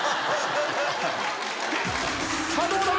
さあどうだ？